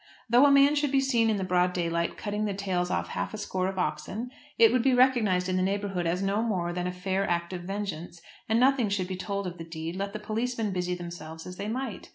Though a man should be seen in the broad daylight cutting the tails off half a score of oxen it would be recognised in the neighbourhood as no more than a fair act of vengeance, and nothing should be told of the deed, let the policemen busy themselves as they might.